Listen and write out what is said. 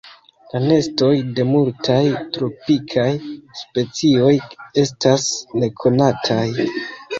La nestoj de multaj tropikaj specioj estas nekonataj.